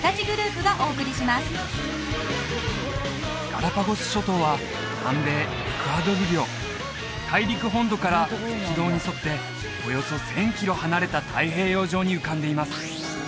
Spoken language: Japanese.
ガラパゴス諸島は南米エクアドル領大陸本土から赤道に沿っておよそ１０００キロ離れた太平洋上に浮かんでいます